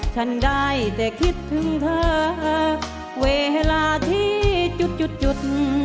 ฉันได้แต่คิดถึงเธอเวลาที่จุด